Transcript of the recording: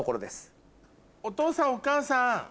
お父さんお母さん。